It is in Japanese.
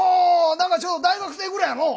なんかちょうど大学生ぐらいやのう！